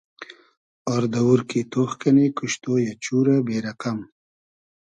آر دئوور کی تۉخ کئنی کوشتۉ یۂ , چورۂ بې رئقئم